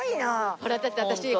ほらだって私。